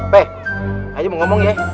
peh aja mau ngomong ya